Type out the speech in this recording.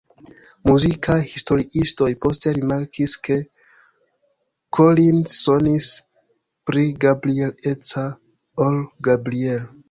Muzikaj historiistoj poste rimarkis ke Collins sonis "pli Gabriel-eca ol Gabriel".